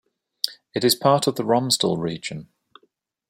It is part of the Romsdal region.